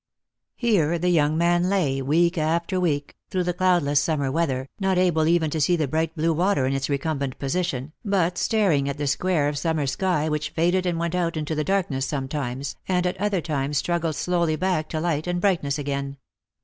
Here the young man lay, week after week, through the cloudless summer weather, not able even to see the bright blue water in his recumbent position, but staring at the square of summer sky, which faded and went out into darkness sometimes, and at other times struggled slowly back to light and brightness again.